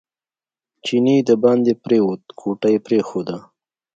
چینی دباندې پرېوت کوټه یې پرېښوده.